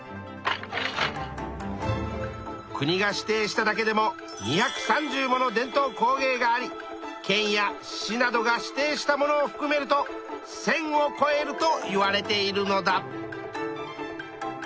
国が指定しただけでも２３０もの伝統工芸があり県や市などが指定したものをふくめると１，０００をこえるといわれているのだ。